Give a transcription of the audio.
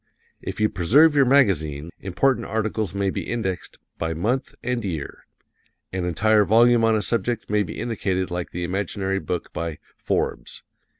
If you preserve your magazines, important articles may be indexed by month and year. An entire volume on a subject may be indicated like the imaginary book by "Forbes."